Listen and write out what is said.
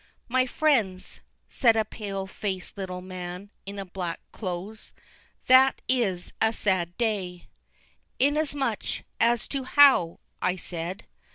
"My frens," said a pale faced little man, in black close, "that is a sad day." "Inasmuch as to how?" I said.